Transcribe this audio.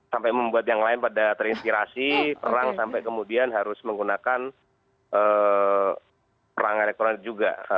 sampai membuat yang lain pada terinspirasi perang sampai kemudian harus menggunakan perang elektronik juga